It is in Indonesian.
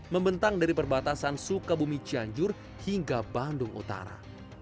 membentang dari perbatasan sukabumi cianjur hingga bandung utara